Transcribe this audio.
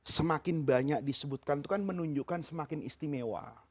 semakin banyak disebutkan itu kan menunjukkan semakin istimewa